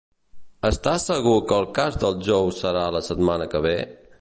Estàs segur que el cas del Joe serà la setmana que ve?